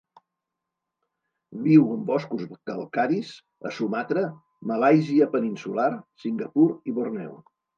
Viu en boscos calcaris a Sumatra, Malàisia peninsular Singapur i Borneo.